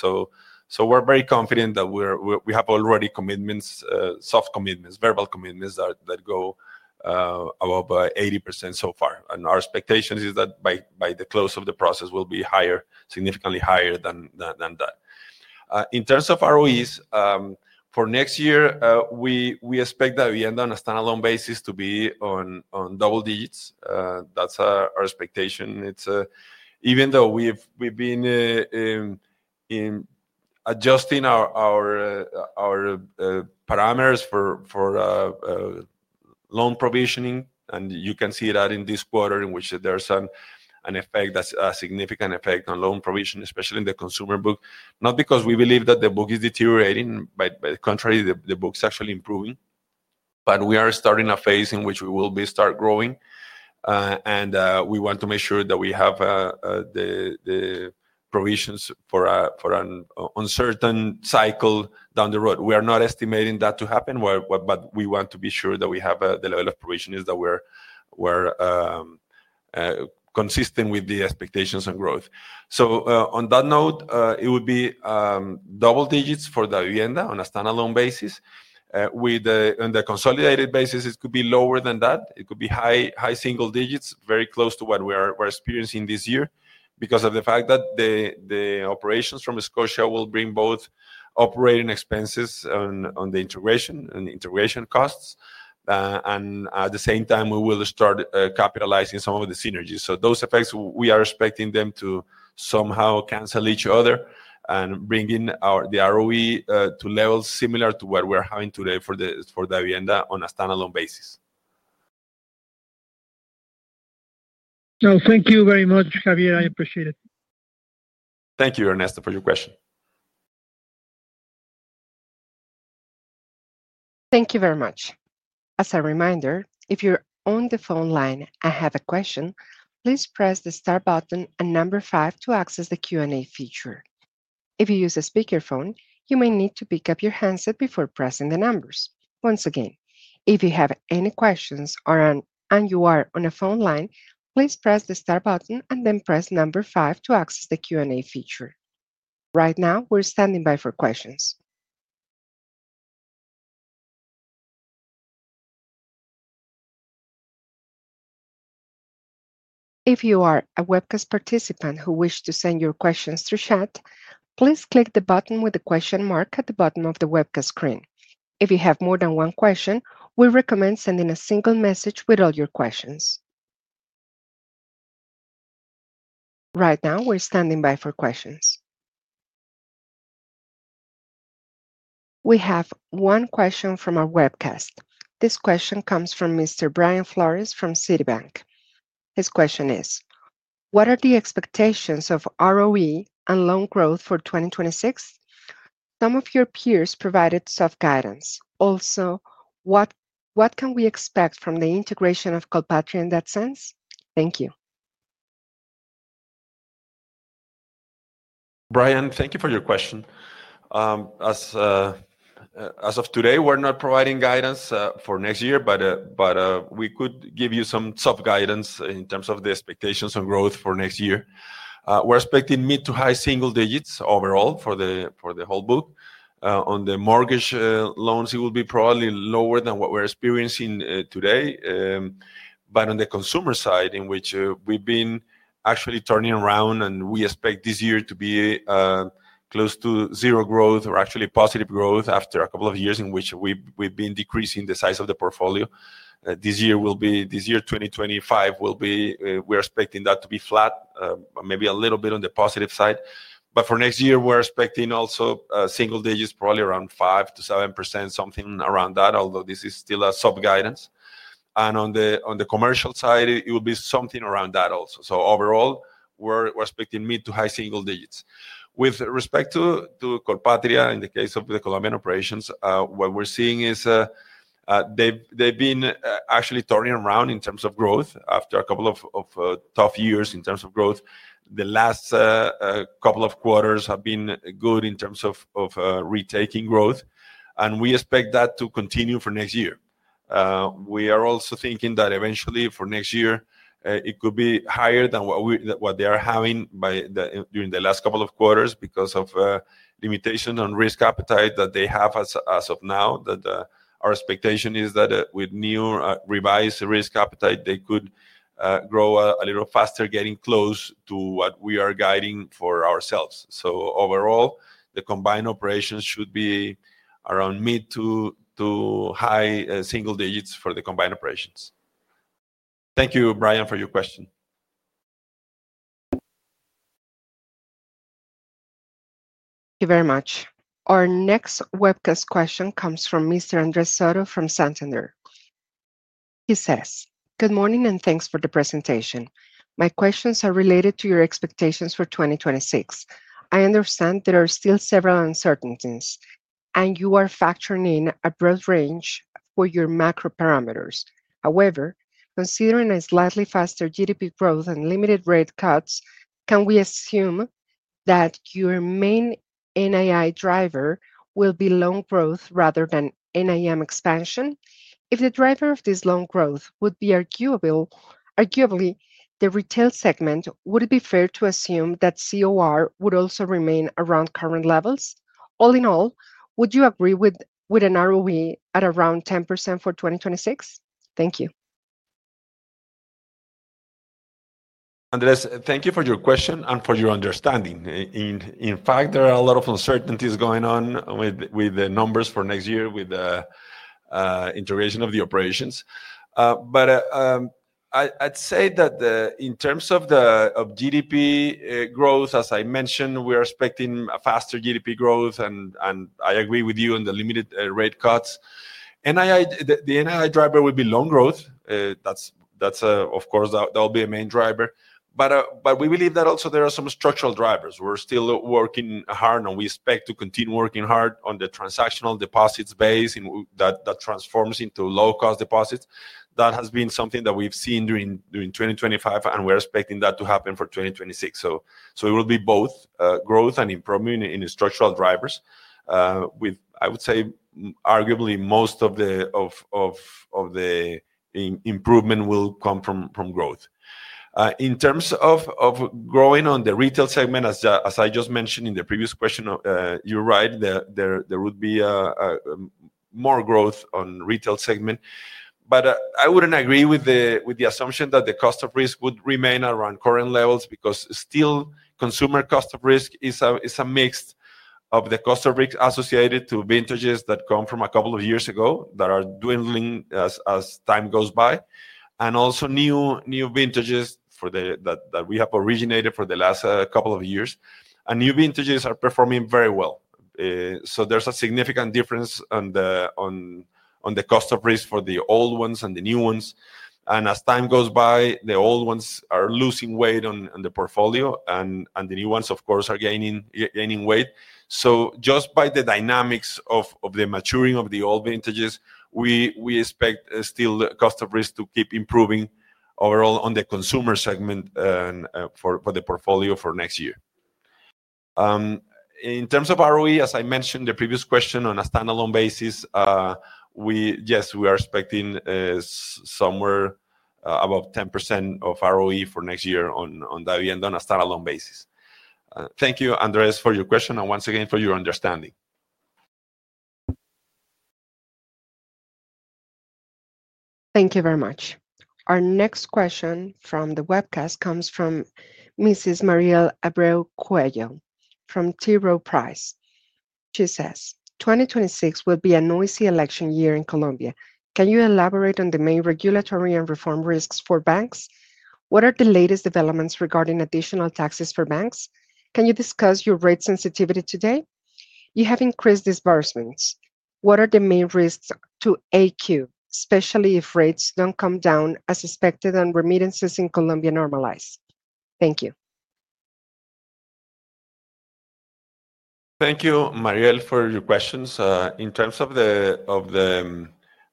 S2: We are very confident that we have already commitments, soft commitments, verbal commitments that go above 80% so far. Our expectation is that by the close of the process, we will be higher, significantly higher than that. In terms of ROEs, for next year, we expect Davivienda on a standalone basis to be on double digits. That is our expectation. Even though we've been adjusting our parameters for loan provisioning, and you can see that in this quarter, in which there's an effect, a significant effect on loan provision, especially in the consumer book, not because we believe that the book is deteriorating. By the contrary, the book is actually improving. We are starting a phase in which we will be starting growing. We want to make sure that we have the provisions for an uncertain cycle down the road. We are not estimating that to happen, but we want to be sure that we have the level of provisions that are consistent with the expectations and growth. On that note, it would be double digits for Davivienda on a standalone basis. On the consolidated basis, it could be lower than that. It could be high single digits, very close to what we're experiencing this year because of the fact that the operations from Scotiabank will bring both operating expenses on the integration and integration costs. At the same time, we will start capitalizing some of the synergies. Those effects, we are expecting them to somehow cancel each other and bring in the ROE to levels similar to what we're having today for Davivienda on a standalone basis.
S4: No, thank you very much, Javier. I appreciate it.
S2: Thank you, Ernesto, for your question.
S1: Thank you very much. As a reminder, if you're on the phone line and have a question, please press the star button and number five to access the Q&A feature. If you use a speakerphone, you may need to pick up your handset before pressing the numbers. Once again, if you have any questions and you are on a phone line, please press the star button and then press number five to access the Q&A feature. Right now, we're standing by for questions. If you are a webcast participant who wishes to send your questions through chat, please click the button with the question mark at the bottom of the webcast screen. If you have more than one question, we recommend sending a single message with all your questions. Right now, we're standing by for questions. We have one question from our webcast. This question comes from Mr. Brian Flores from Citibank. His question is, "What are the expectations of ROE and loan growth for 2026? Some of your peers provided soft guidance. Also, what can we expect from the integration of Colpatria in that sense?" Thank you.
S2: Brian, thank you for your question. As of today, we're not providing guidance for next year, but we could give you some soft guidance in terms of the expectations and growth for next year. We're expecting mid to high single digits overall for the whole book. On the mortgage loans, it will be probably lower than what we're experiencing today. On the consumer side, in which we've been actually turning around, and we expect this year to be close to zero growth or actually positive growth after a couple of years in which we've been decreasing the size of the portfolio. This year, 2025, we're expecting that to be flat, maybe a little bit on the positive side. For next year, we're expecting also single digits, probably around 5%-7%, something around that, although this is still a soft guidance. On the commercial side, it will be something around that also. Overall, we're expecting mid to high single digits. With respect to Colpatria, in the case of the Colombian operations, what we're seeing is they've been actually turning around in terms of growth after a couple of tough years in terms of growth. The last couple of quarters have been good in terms of retaking growth. We expect that to continue for next year. We are also thinking that eventually for next year, it could be higher than what they are having during the last couple of quarters because of limitations on risk appetite that they have as of now. Our expectation is that with new revised risk appetite, they could grow a little faster, getting close to what we are guiding for ourselves. Overall, the combined operations should be around mid to high single digits for the combined operations. Thank you, Brian, for your question.
S1: Thank you very much. Our next webcast question comes from Mr. Andres Soto from Santander. He says, "Good morning and thanks for the presentation. My questions are related to your expectations for 2026. I understand there are still several uncertainties, and you are factoring in a broad range for your macro parameters. However, considering a slightly faster GDP growth and limited rate cuts, can we assume that your main NII driver will be loan growth rather than NIM expansion? If the driver of this loan growth would be arguably the retail segment, would it be fair to assume that COR would also remain around current levels? All in all, would you agree with an ROE at around 10% for 2026?" Thank you.
S2: Andres, thank you for your question and for your understanding. In fact, there are a lot of uncertainties going on with the numbers for next year with the integration of the operations. I'd say that in terms of GDP growth, as I mentioned, we are expecting faster GDP growth, and I agree with you on the limited rate cuts. The NII driver will be loan growth. That will be a main driver. We believe that also there are some structural drivers. We're still working hard on. We expect to continue working hard on the transactional deposits base that transforms into low-cost deposits. That has been something that we've seen during 2025, and we're expecting that to happen for 2026. It will be both growth and improvement in structural drivers. I would say arguably most of the improvement will come from growth. In terms of growing on the retail segment, as I just mentioned in the previous question, you're right, there would be more growth on the retail segment. I wouldn't agree with the assumption that the cost of risk would remain around current levels because still consumer cost of risk is a mix of the cost of risk associated to vintages that come from a couple of years ago that are dwindling as time goes by. Also, new vintages that we have originated for the last couple of years. New vintages are performing very well. There is a significant difference on the cost of risk for the old ones and the new ones. As time goes by, the old ones are losing weight on the portfolio, and the new ones, of course, are gaining weight. Just by the dynamics of the maturing of the old vintages, we expect still the cost of risk to keep improving overall on the consumer segment for the portfolio for next year. In terms of ROE, as I mentioned in the previous question on a standalone basis, yes, we are expecting somewhere about 10% of ROE for next year on Davivienda on a standalone basis. Thank you, Andres, for your question and once again for your understanding.
S1: Thank you very much. Our next question from the webcast comes from Mrs. Mariel Abreu Cuello from T. Rowe Price. She says, "2026 will be a noisy election year in Colombia. Can you elaborate on the main regulatory and reform risks for banks? What are the latest developments regarding additional taxes for banks? Can you discuss your rate sensitivity today? You have increased disbursements. What are the main risks to AQ, especially if rates do not come down as expected and remittances in Colombia normalize? Thank you.
S2: Thank you, Mariel, for your questions. In terms of the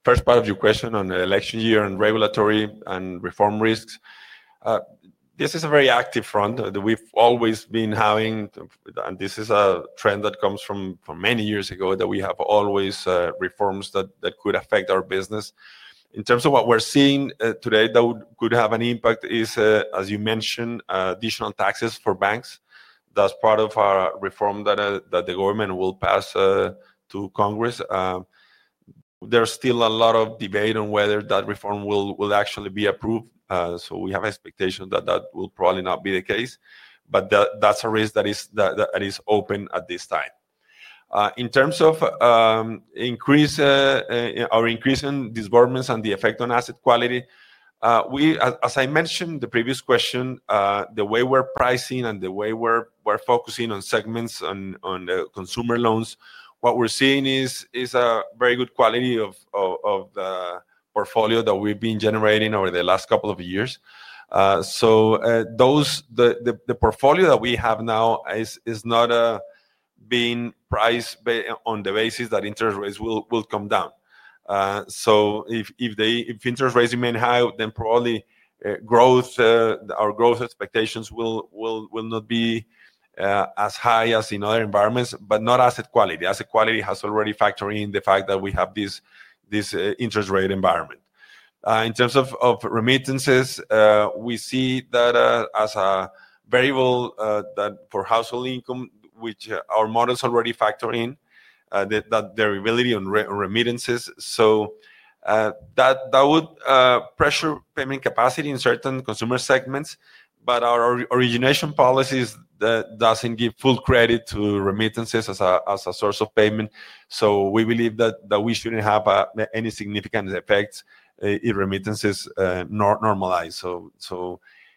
S2: first part of your question on the election year and regulatory and reform risks, this is a very active front that we have always been having. This is a trend that comes from many years ago that we have always reforms that could affect our business. In terms of what we are seeing today that could have an impact is, as you mentioned, additional taxes for banks. That is part of a reform that the government will pass to Congress. There is still a lot of debate on whether that reform will actually be approved. We have expectations that that will probably not be the case. That is a risk that is open at this time. In terms of our increase in disbursements and the effect on asset quality, as I mentioned in the previous question, the way we're pricing and the way we're focusing on segments on consumer loans, what we're seeing is a very good quality of the portfolio that we've been generating over the last couple of years. The portfolio that we have now is not being priced on the basis that interest rates will come down. If interest rates remain high, then probably our growth expectations will not be as high as in other environments, but not asset quality. Asset quality has already factored in the fact that we have this interest rate environment. In terms of remittances, we see that as a variable for household income, which our model is already factoring in that variability on remittances. That would pressure payment capacity in certain consumer segments. Our origination policies do not give full credit to remittances as a source of payment. We believe that we should not have any significant effects if remittances normalize.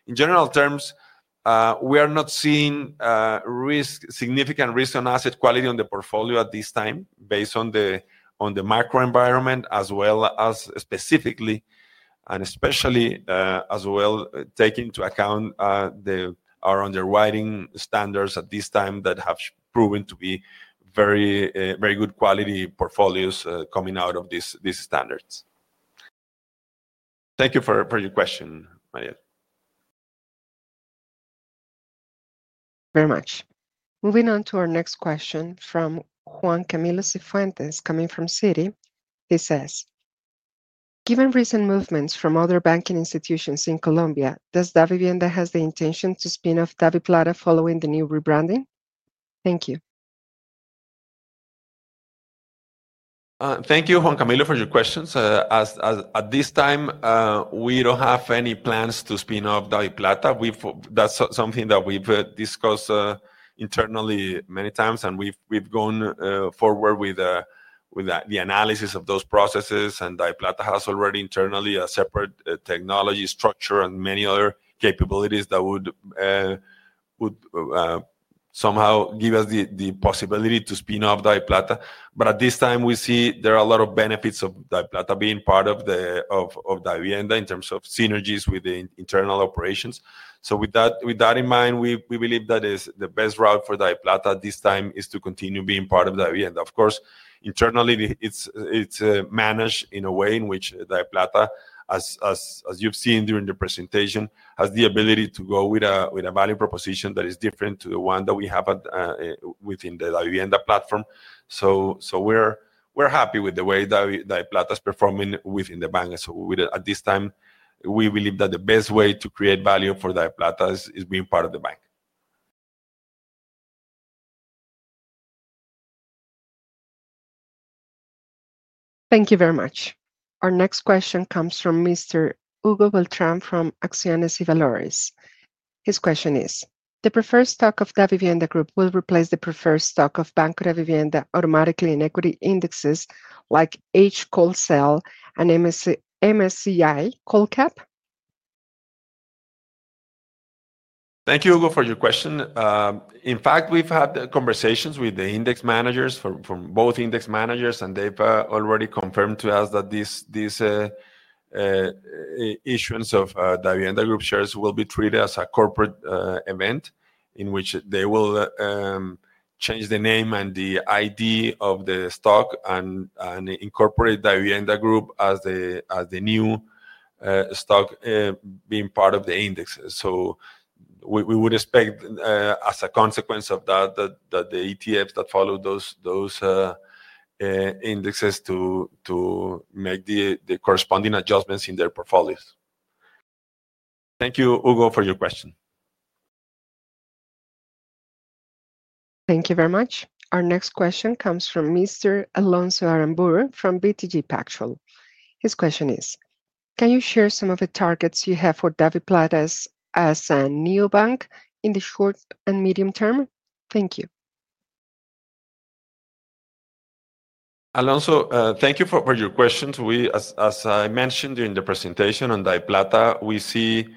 S2: In general terms, we are not seeing significant risk on asset quality on the portfolio at this time based on the macro environment as well as specifically and especially as well taking into account our underwriting standards at this time that have proven to be very good quality portfolios coming out of these standards. Thank you for your question, Mariel. Very much.
S1: Moving on to our next question from Juan Camilo Cifuentes coming from Citi. He says, "Given recent movements from other banking institutions in Colombia, does Davivienda have the intention to spin off DaviPlata following the new rebranding?" Thank you.
S2: Thank you, Juan Camilo, for your questions. At this time, we do not have any plans to spin off DaviPlata. That's something that we've discussed internally many times, and we've gone forward with the analysis of those processes. Daviplata has already internally a separate technology structure and many other capabilities that would somehow give us the possibility to spin off Daviplata. At this time, we see there are a lot of benefits of Daviplata being part of Davivienda in terms of synergies with the internal operations. With that in mind, we believe that the best route for Daviplata at this time is to continue being part of Davivienda. Of course, internally, it's managed in a way in which Daviplata, as you've seen during the presentation, has the ability to go with a value proposition that is different to the one that we have within the Davivienda platform. We're happy with the way Daviplata is performing within the bank. At this time, we believe that the best way to create value for DaviPlata is being part of the bank.
S1: Thank you very much. Our next question comes from Mr. Hugo Beltrán from Acciones y Valores. His question is, "The preferred stock of Davivienda Group will replace the preferred stock of Banco Davivienda automatically in equity indexes like HCOLCEL and MSCI COLCAP?"
S2: Thank you, Hugo, for your question. In fact, we've had conversations with the index managers from both index managers, and they've already confirmed to us that these issuance of Davivienda Group shares will be treated as a corporate event in which they will change the name and the ID of the stock and incorporate Davivienda Group as the new stock being part of the index. We would expect, as a consequence of that, that the ETFs that follow those indexes to make the corresponding adjustments in their portfolios. Thank you, Hugo, for your question.
S1: Thank you very much. Our next question comes from Mr. Alonso Aramburu from BTG Pactual. His question is, "Can you share some of the targets you have for DaviPlata as a neobank in the short and medium term?" Thank you.
S2: Alonso, thank you for your questions. As I mentioned during the presentation on DaviPlata, we see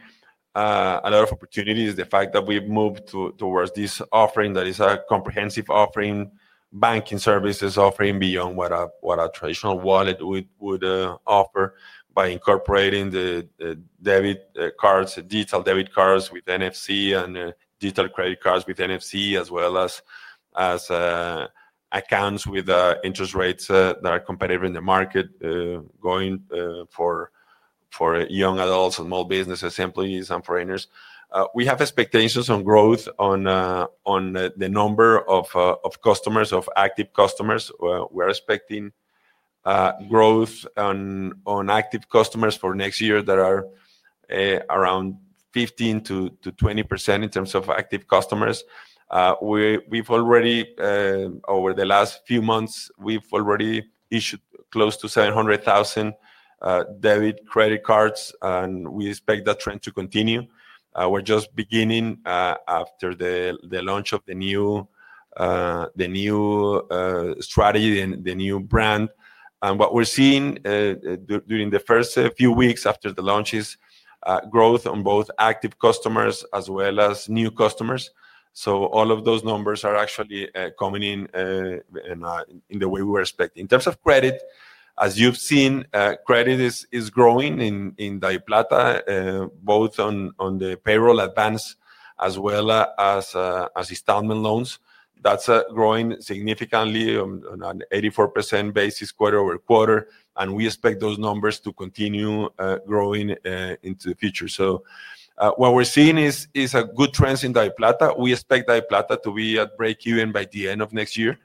S2: a lot of opportunities, the fact that we've moved towards this offering that is a comprehensive offering, banking services offering beyond what a traditional wallet would offer by incorporating the digital debit cards with NFC and digital credit cards with NFC, as well as accounts with interest rates that are competitive in the market going for young adults and small businesses, employees, and foreigners. We have expectations on growth on the number of customers, of active customers. We're expecting growth on active customers for next year that are around 15%-20% in terms of active customers. Over the last few months, we've already issued close to 700,000 debit credit cards, and we expect that trend to continue. We're just beginning after the launch of the new strategy, the new brand. What we're seeing during the first few weeks after the launch is growth on both active customers as well as new customers. All of those numbers are actually coming in the way we were expecting. In terms of credit, as you've seen, credit is growing in DaviPlata, both on the payroll advance as well as installment loans. That's growing significantly on an 84% basis quarter over quarter. We expect those numbers to continue growing into the future. What we're seeing is a good trend in DaviPlata. We expect DaviPlata to be at break-even by the end of next year,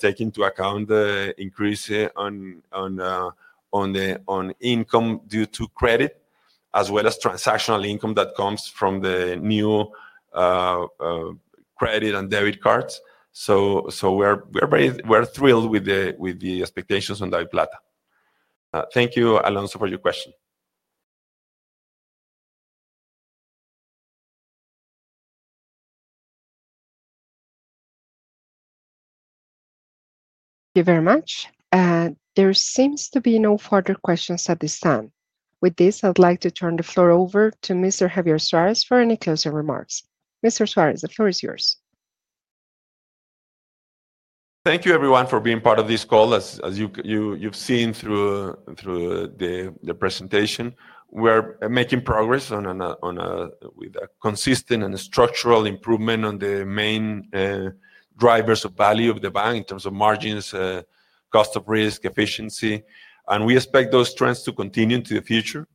S2: taking into account the increase on income due to credit, as well as transactional income that comes from the new credit and debit cards. We're thrilled with the expectations on DaviPlata. Thank you, Alonso, for your question.
S1: Thank you very much. There seems to be no further questions at this time. With this, I'd like to turn the floor over to Mr. Javier Suárez for any closing remarks. Mr. Suárez, the floor is yours.
S2: Thank you, everyone, for being part of this call. As you've seen through the presentation, we're making progress with a consistent and structural improvement on the main drivers of value of the bank in terms of margins, cost of risk, efficiency. We expect those trends to continue into the future.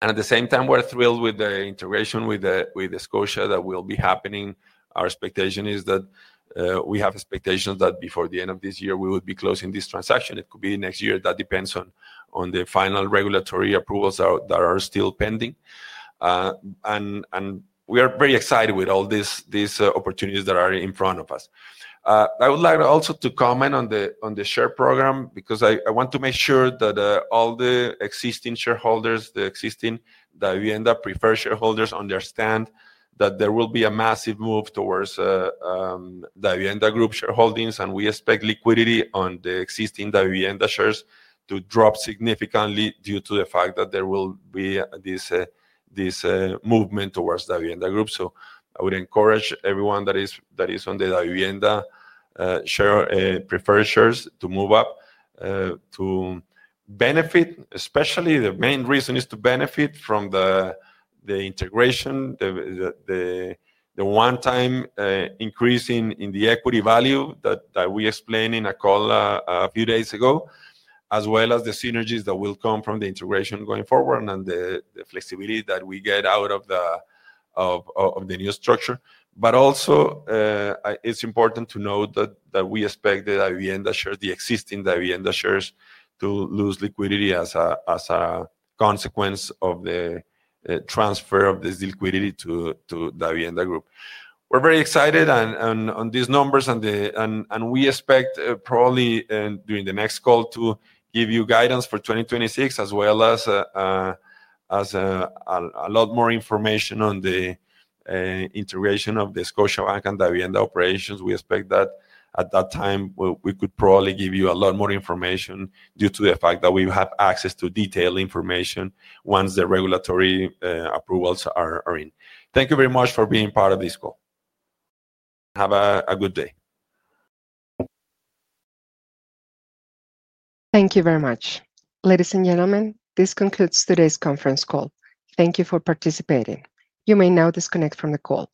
S2: At the same time, we're thrilled with the integration with Scotiabank that will be happening. Our expectation is that we have expectations that before the end of this year, we would be closing this transaction. It could be next year. That depends on the final regulatory approvals that are still pending. We are very excited with all these opportunities that are in front of us. I would like also to comment on the share program because I want to make sure that all the existing shareholders, the existing Davivienda preferred shareholders understand that there will be a massive move towards Davivienda Group shareholdings. We expect liquidity on the existing Davivienda shares to drop significantly due to the fact that there will be this movement towards Davivienda Group. I would encourage everyone that is on the Davivienda preferred shares to move up to benefit. Especially, the main reason is to benefit from the integration, the one-time increase in the equity value that we explained in a call a few days ago, as well as the synergies that will come from the integration going forward and the flexibility that we get out of the new structure. It is also important to note that we expect the Davivienda shares, the existing Davivienda shares, to lose liquidity as a consequence of the transfer of this liquidity to Davivienda Group. We are very excited on these numbers. We expect probably during the next call to give you guidance for 2026, as well as a lot more information on the integration of the Scotiabank and Davivienda operations. We expect that at that time, we could probably give you a lot more information due to the fact that we have access to detailed information once the regulatory approvals are in. Thank you very much for being part of this call. Have a good day.
S1: Thank you very much. Ladies and gentlemen, this concludes today's conference call. Thank you for participating. You may now disconnect from the call.